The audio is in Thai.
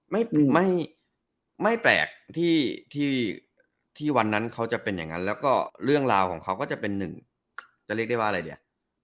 ไม่ไม่แปลกที่ที่วันนั้นเขาจะเป็นอย่างนั้นแล้วก็เรื่องราวของเขาก็จะเป็นหนึ่งจะเรียกได้ว่าอะไรเนี่ย